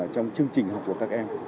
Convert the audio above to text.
trong chương trình học của các em